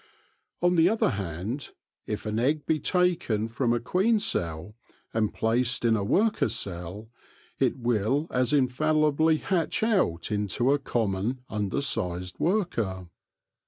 On the other hand, if an egg be taken from a queen cell and placed in a worker cell, it will as infallibly hatch out into a common undersized worker.